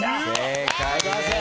正解です。